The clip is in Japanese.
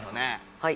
はい！